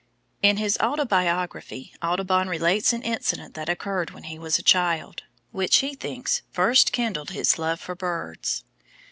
In his autobiography Audubon relates an incident that occurred when he was a child, which he thinks first kindled his love for birds.